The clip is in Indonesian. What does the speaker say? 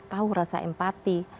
tahu rasa empati